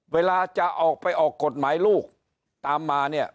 เวลาจะออกไปออกกฎหมายลูกตามมาเนี่ย